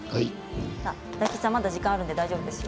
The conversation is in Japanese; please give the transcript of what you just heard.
大吉さん、まだ時間があるので大丈夫ですよ。